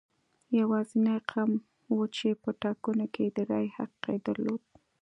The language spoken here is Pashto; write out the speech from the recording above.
یوازینی قوم و چې په ټاکنو کې د رایې حق یې درلود.